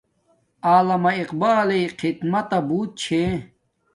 علامہ اقبالݵ خدماتا بوت چھے